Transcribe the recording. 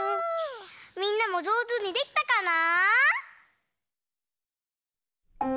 みんなもじょうずにできたかな？